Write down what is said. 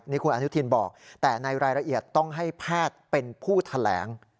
นี่คุณอนุทินบอกแต่ในรายละเอียดต้องให้แพทย์เป็นผู้แถลง